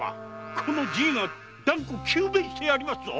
このじぃが断固糾明してやりますぞ！